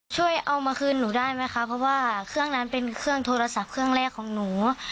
ช่วยเอามาคืนหนูได้ไหมคะเพราะว่าเครื่องนั้นเป็นเครื่องโทรศัพท์เครื่องแรกของหนู